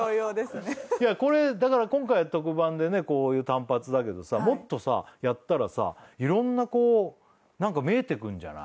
いやこれだから今回は特番でねこういう単発だけどさもっとさやったらさ色んなこうなんか見えてくるんじゃない？